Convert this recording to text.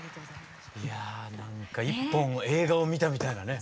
いや何か１本映画を見たみたいなね。